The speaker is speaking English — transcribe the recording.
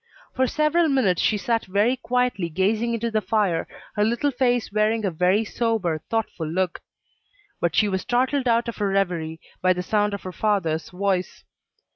For several minutes she sat very quietly gazing into the fire, her little face wearing a very sober, thoughtful look. But she was startled out of her reverie by the sound of her father's voice.